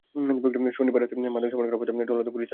শনিবার রাতে মাদক সেবন করা অবস্থায় টহলরত পুলিশ তাদের আটক করে।